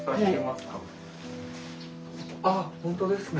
あっ本当ですね。